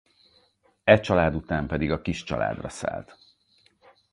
E család után pedig a Kiss családra szállt.